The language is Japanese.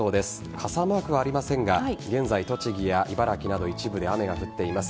傘マークはありませんが現在、栃木や茨城など一部で雨が降っています。